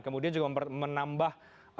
kemudian juga menambah